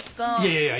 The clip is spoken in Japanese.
いやいや。